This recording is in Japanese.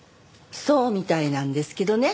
そうみたいなんですけどね。